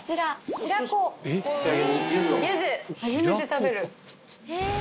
初めて食べる。